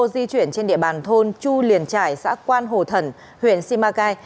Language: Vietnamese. di chuyển trên địa bàn thôn chu liền trải xã quan hồ thần huyện simacai